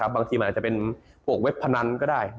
บางทีมันอาจจะเป็นพวกเว็บพนันก็ได้